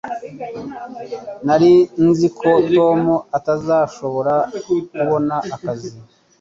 Nari nzi ko Tom atazashobora kubona akazi.